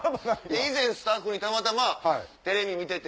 以前スタッフにたまたまテレビ見てて。